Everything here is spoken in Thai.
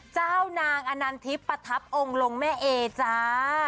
เจ้านางอนันทิพย์ประทับองค์ลงแม่เอจ้า